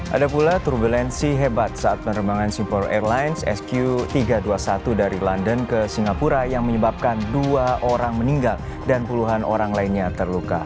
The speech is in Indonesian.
ada pula turbulensi hebat saat penerbangan simpore airlines sq tiga ratus dua puluh satu dari london ke singapura yang menyebabkan dua orang meninggal dan puluhan orang lainnya terluka